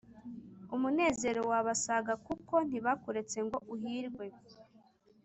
Umunezero wabasaga Kuko ntibakuretse ngo uhirwe